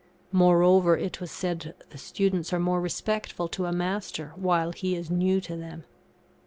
Moreover, it was said, the students are more respectful to a Master while he is new to them.